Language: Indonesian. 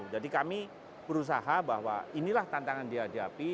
jadi kami berusaha bahwa inilah tantangan di hadapi